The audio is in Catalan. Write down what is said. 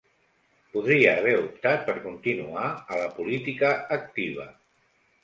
Podria haver optat per continuar a la política activa.